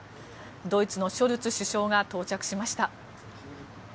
ドイツのショルツ首相が到着しました。